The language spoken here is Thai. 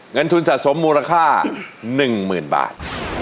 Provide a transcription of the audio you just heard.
เงินทุนสะสมมูลค่า๑๐๐๐บาท